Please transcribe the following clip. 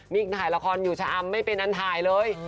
นี่ถ่ายละครอยู่ชะอำไม่เป็นอันถ่ายเลย